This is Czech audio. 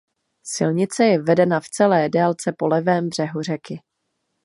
Silnice je vedena v celé délce po levém břehu řeky.